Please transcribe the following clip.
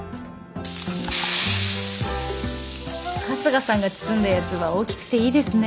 春日さんが包んだやつは大きくていいですね。